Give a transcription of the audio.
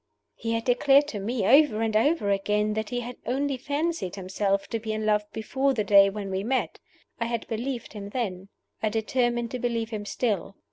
He had declared to me over and over again that he had only fancied himself to be in love before the day when we met. I had believed him then. I determined to believe him still.